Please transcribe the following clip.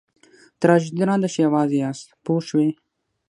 تراژیدي دا نه ده چې یوازې یاست پوه شوې!.